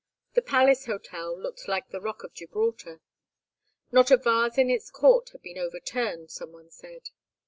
The Palace Hotel looked like the rock of Gibraltar. Not a vase in its court had been overturned, some one said.